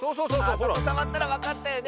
あっそこさわったらわかったよね！